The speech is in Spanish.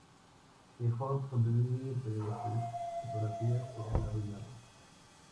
The Hood sobrevive, pero sus fotografías se han arruinado.